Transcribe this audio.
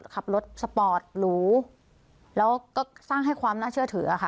ขับรถสปอร์ตหรูแล้วก็สร้างให้ความน่าเชื่อถือค่ะ